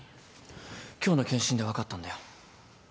今日の健診で分かったんだよ。